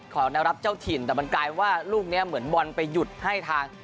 แนวรับเจ้าถิ่นแต่มันกลายว่าลูกนี้เหมือนบอลไปหยุดให้ทาง